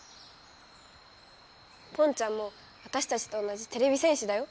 ポンちゃんもわたしたちと同じてれび戦士だよ。